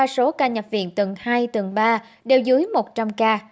ba số ca nhập viện tầng hai tầng ba đều dưới một trăm linh ca